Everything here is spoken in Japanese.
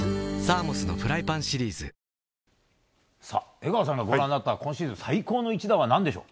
江川さんがご覧になった今シーズン最高の一打は何でしょう？